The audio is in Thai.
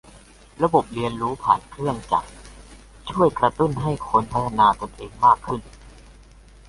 ระบบเรียนรู้ผ่านเครื่องจักรช่วยกระตุ้นให้คนพัฒนาตนเองมากขึ้น